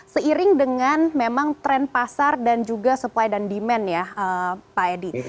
seiring dengan memang tren pasar dan juga supply dan demand ya pak edi